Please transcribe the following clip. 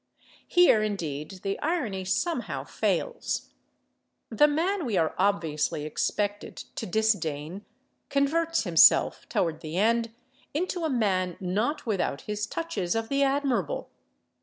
Here, indeed, the irony somehow fails. The man we are obviously expected to disdain converts himself, toward the end, into a man not without his touches of the admirable.